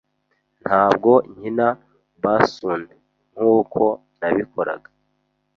Ntabwo nkina bassoon nkuko nabikoraga.